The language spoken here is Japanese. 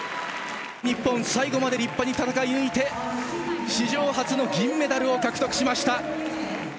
日本、最後まで立派に戦い抜いて、史上初の銀メダルを獲得しました。